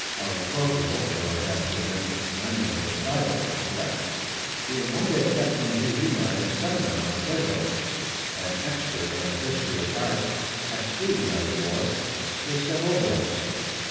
Our corporal (for I have to admit that I am only a private as yet) being one day kept from duty by a seminar on Plato, an expert on the history of art, excluding that of war, was set over us.